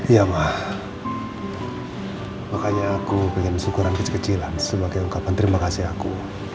iya mah makanya aku ingin syukuran kecil kecilan sebagai ungkapan terima kasih aku